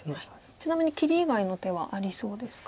ちなみに切り以外の手はありそうですか？